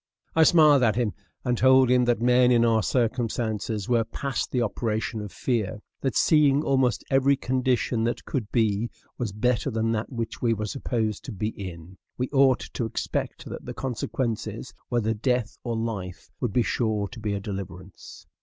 I smiled at him, and told him that men in our circumstances were past the operation of fear; that, seeing almost every condition that could be was better than that which we were supposed to be in, we ought to expect that the consequence, whether death or life, would be sure to be a deliverance.